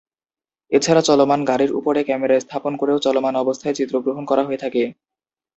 এছাড়া চলমান গাড়ির উপরে ক্যামেরা স্থাপন করেও চলমান অবস্থায় চিত্রগ্রহণ করা হয়ে থাকে।